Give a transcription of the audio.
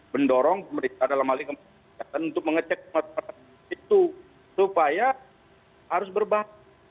mendorong pemerintah dalam hal ini untuk mengecek rumah sakit itu supaya harus berbahan